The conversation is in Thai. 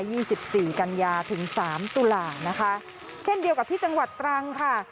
สิบสี่กันยาถึงสามตุลานะคะเช่นเดียวกับที่จังหวัดตรังค่ะ